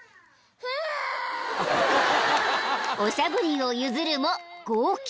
［おしゃぶりを譲るも号泣］